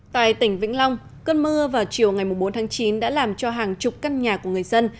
tại tỉnh vĩnh long cơn mưa vào chiều ngày bốn tháng chín đã làm cho hàng chục căn nhà của người dân